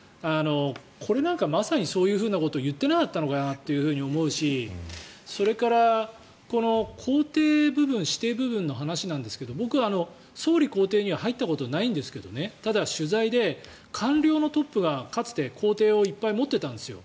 これなんかまさにそういうふうなことを言っていなかったのかなと思うしそれから、公邸部分私邸部分の話なんですけど僕は、総理公邸には入ったことないんですけどただ、取材で官僚のトップが、かつて公邸をいっぱい持っていたんですよ。